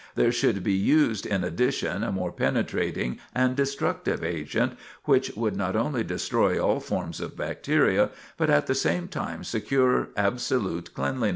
There should be used in addition a more penetrating and destructive agent, which would not only destroy all forms of bacteria, but at the same time secure absolute cleanliness.